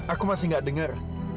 aku masih nggak denger